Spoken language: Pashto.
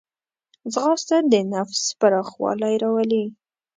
ځغاسته د نفس پراخوالی راولي